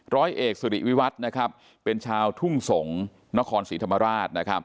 ร้อยเอกสุริวิวัตรเป็นชาวทุ่งสงฆ์นะคศิรธรรมราช